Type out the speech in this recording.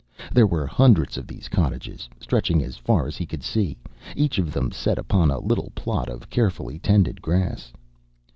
There were hundreds of these cottages, stretching as far as he could see, each of them set upon a little plot of carefully tended grass.